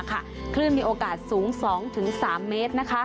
คลื่นมีโอกาสสูง๒๓เมตร